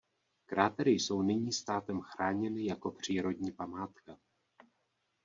Krátery jsou nyní státem chráněny jako přírodní památka.